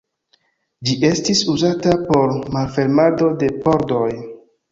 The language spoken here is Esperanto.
Ĝi estis uzata por malfermado de pordoj.